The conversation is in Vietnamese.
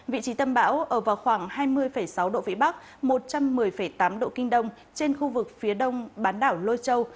vị trí tâm bão ở vào khoảng hai mươi sáu độ vĩ bắc một trăm một mươi tám độ kinh đông trên khu vực phía đông bán đảo lôi châu